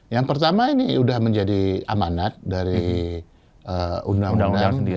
yang pertama ini sudah menjadi amanat dari undang undang